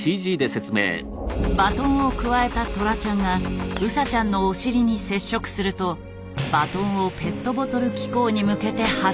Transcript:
バトンをくわえたトラちゃんがウサちゃんのお尻に接触するとバトンをペットボトル機構に向けて発射。